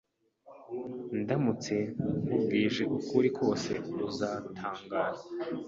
Ndamutse nkubwije ukuri kose, uzatangara.